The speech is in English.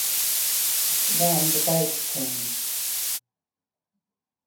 Then the bikes came.